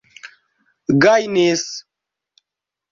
gajnis